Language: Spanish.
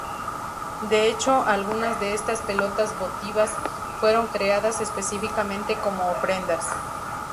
De hecho, algunas de estas pelotas votivas fueron creadas específicamente como ofrendas.